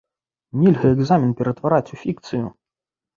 Нельга экзамен ператвараць у фікцыю!